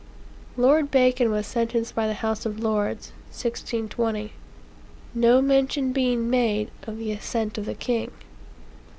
Lord Bacon was sentenced by the House of Lords, (l620,) no mention being made of the assent of the king.